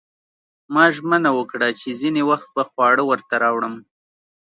ما ژمنه وکړه چې ځینې وخت به خواړه ورته راوړم